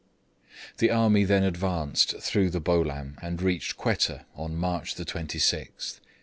] The army then advanced through the Bolam, and reached Quetta on March 26th.